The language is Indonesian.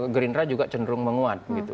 gerindra juga cenderung menguat